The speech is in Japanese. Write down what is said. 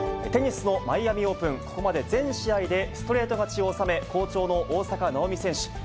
テニスのマイアミオープン、ここまで全試合でストレート勝ちを収め、好調の大坂なおみ選手。